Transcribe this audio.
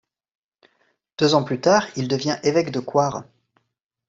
Deux ans plus tard, il devient évêque de Coire.